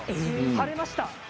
晴れました。